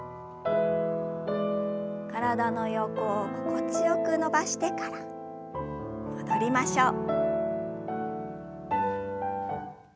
体の横を心地よく伸ばしてから戻りましょう。